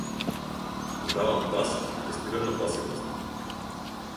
Им давам пас, ги тестирам на пасивност.